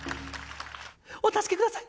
お助けください。